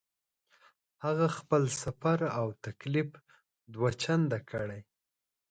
هغه خپل سفر او تکلیف دوه چنده کړی.